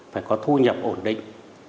phải có thu nhập ổn định